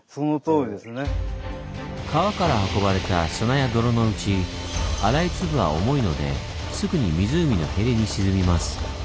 川から運ばれた砂や泥のうち粗い粒は重いのですぐに湖のへりに沈みます。